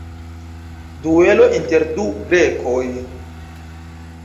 Duelo inter du grekoj.